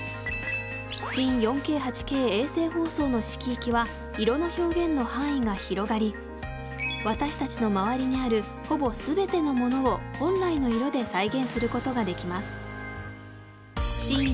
新４Ｋ８Ｋ衛星放送の色域は色の表現の範囲が広がり私たちの周りにあるほぼ全てのものを本来の色で再現することができます。